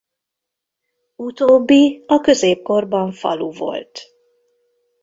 Utóbbi a középkorban falu volt.